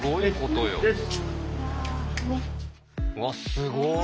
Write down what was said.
うわすごい！